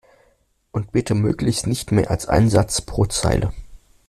Und bitte möglichst nicht mehr als ein Satz pro Zeile!